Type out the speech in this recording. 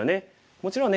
もちろんね